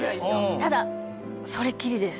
ただそれっきりです